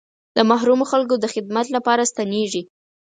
د محرومو خلکو د خدمت لپاره ستنېږي.